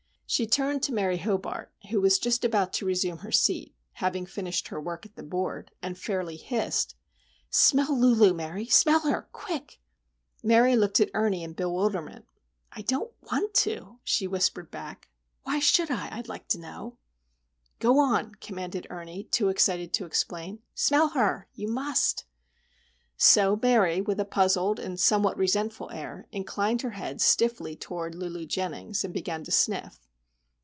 She turned to Mary Hobart, who was just about to resume her seat, having finished her work at the board, and fairly hissed:— "Smell of Lulu, Mary. Smell her! quick!!!" Mary looked at Ernie in bewilderment. "I don't want to," she whispered back. "Why should I, I'd like to know?" "Go on," commanded Ernie, too excited to explain. "Smell her! You must!" So Mary, with a puzzled and somewhat resentful air, inclined her head stiffly toward Lulu Jennings and began to sniff.